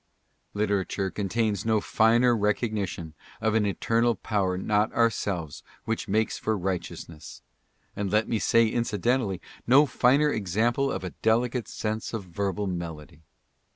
''' 1 Literature contains no finer recognition of an "Eternal Power not ourselves which makes for righteousness," and let me say in cidentally, no finer example of a delicate sense of verbal melody.